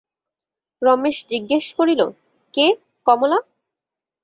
রমেশ জিজ্ঞাসা করিল, কে, কমলা?